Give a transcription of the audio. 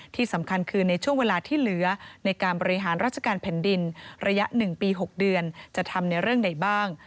ที่สำคัญคือในช่วงเวลาที่เหลือในการบริหารราชการแผ่นดินระยะ๑ปี๖เดือนจะทำในเรื่องใดบ้าง